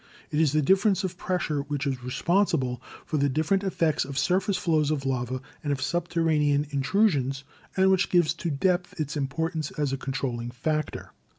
It is the difference of press ure which is responsible for the different effects of sur face flows of lava and of subterranean intrusions and which gives to depth its importance as a controlling factor.